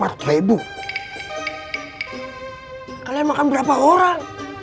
kalian makan berapa orang